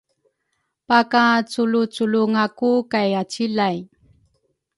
pakaculuculungaku kay acilai.